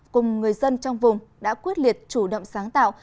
cùng người dân trong vùng đã quyết liệt chủ động sáng tạo